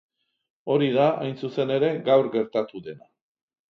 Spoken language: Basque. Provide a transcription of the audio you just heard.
Hori da, hain zuzen ere, gaur gertatu dena.